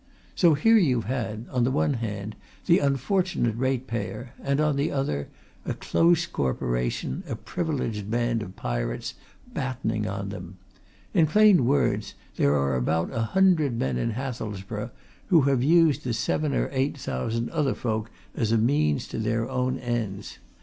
So here you've had, on the one hand, the unfortunate ratepayer and, on the other, a close Corporation, a privileged band of pirates, battening on them. In plain words, there are about a hundred men in Hathelsborough who have used the seven or eight thousand other folk as a means to their own ends.